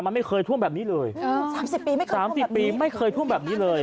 มันไม่เคยท่วมแบบนี้เลย๓๐ปีไม่เคยท่วมแบบนี้เลย